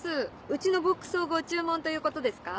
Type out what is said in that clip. うちのボックスをご注文ということですか？